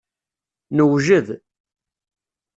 Newjed.